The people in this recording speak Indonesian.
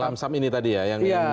lamsam ini tadi ya